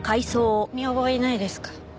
見覚えないですか？